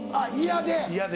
嫌で？